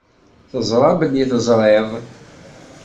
Teẓra belli teẓriḍ.